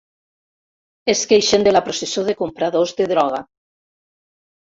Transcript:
Es queixen de la processó de compradors de droga.